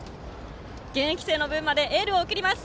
現役生の分までエールを送ります。